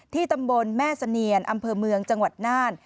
ตำบลแม่เสนียนอำเภอเมืองจังหวัดน่าน